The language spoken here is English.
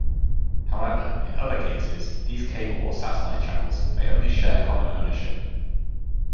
However, in other cases, these cable or satellite channels may only share common ownership.